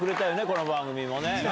この番組もね。